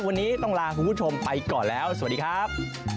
วันนี้ต้องลาคุณผู้ชมไปก่อนแล้วสวัสดีครับ